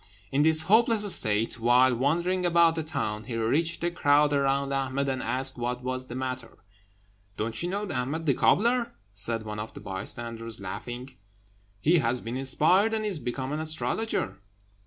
In this hopeless state, while wandering about the town, he reached the crowd around Ahmed and asked what was the matter. "Don't you know Ahmed the cobbler?" said one of the bystanders, laughing; "he has been inspired, and is become an astrologer."